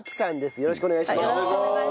よろしくお願いします。